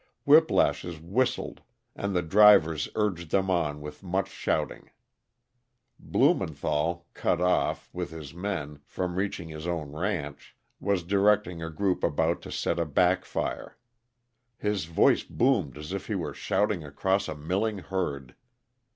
Whiplashes whistled and the drivers urged them on with much shouting. Blumenthall, cut off, with his men, from reaching his own ranch, was directing a group about to set a back fire. His voice boomed as if he were shouting across a milling herd.